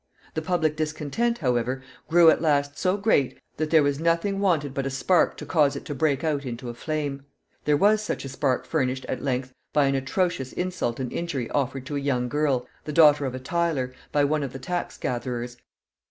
The public discontent, however, grew at last so great that there was nothing wanted but a spark to cause it to break out into a flame. There was such a spark furnished at length by an atrocious insult and injury offered to a young girl, the daughter of a tiler, by one of the tax gatherers.